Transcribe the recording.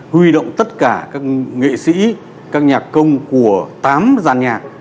huy động tất cả các nghệ sĩ các nhạc công của tám giàn nhạc